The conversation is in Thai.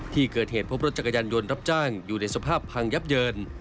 ที่เกิดเหตุพบรถจักรยานยนต์รับจ้างอยู่ในสภาพพังยับเยิน